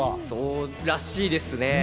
そうらしいですね。